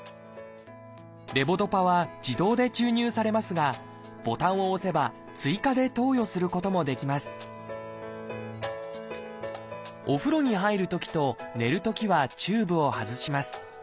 レボドパは自動で注入されますがボタンを押せば追加で投与することもできますお風呂に入るときと寝るときはチューブを外します。